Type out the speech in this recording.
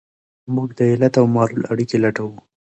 موږ د علت او معلول اړیکي لټوو.